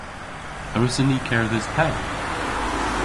A wrussyn ni kerdhes pell?